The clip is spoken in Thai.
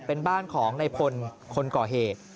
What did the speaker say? เป็นบ้านของในพลคนก่อเหตุ